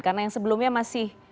karena yang sebelumnya masih